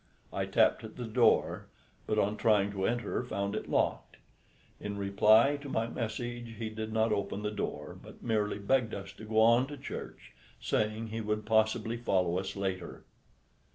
I tapped at the door, but on trying to enter found it locked. In reply to my message he did not open the door, but merely begged us to go on to church, saying he would possibly follow us later.